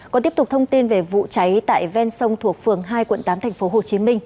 còn tiếp tục thông tin về vụ cháy tại ven sông thuộc phường hai quận tám tp hcm